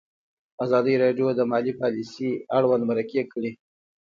ازادي راډیو د مالي پالیسي اړوند مرکې کړي.